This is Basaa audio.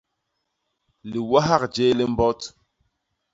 Liwahak jéé li mbot.